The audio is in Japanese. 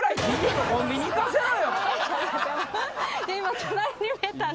今隣に見えたんで。